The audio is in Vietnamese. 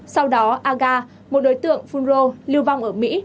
sau đó aga một đối tượng phun rô lưu vong ở mỹ